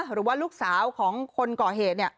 หรือว่าลูกสาวของคนก่อเหตุ